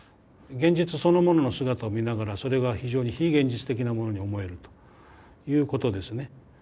現実そのものの姿を見ながらそれが非常に非現実的なものに思えるということですね。